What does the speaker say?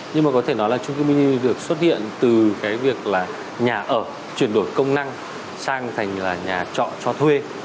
nhưng mà có thể nói là trung cư mini được xuất hiện từ cái việc là nhà ở chuyển đổi công năng sang thành là nhà trọ cho thuê